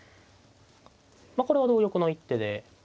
まあこれは同玉の一手で。